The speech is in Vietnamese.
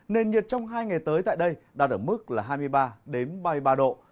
nền nhiệt trong hai ngày tới tại đây đạt ở mức là hai mươi ba ba mươi ba độ